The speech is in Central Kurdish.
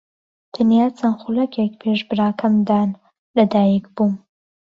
تەنیا چەند خولەکێک پێش براکەم دان لەدایکبووم.